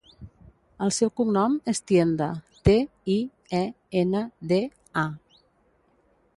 El seu cognom és Tienda: te, i, e, ena, de, a.